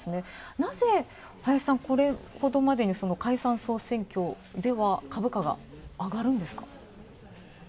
なぜ林さん、これほどまでに解散・総選挙では、株価が上がるんですか？